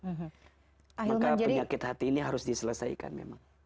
maka penyakit hati ini harus diselesaikan memang